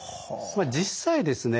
まあ実際ですね